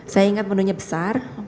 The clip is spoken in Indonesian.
saya ingat menunya besar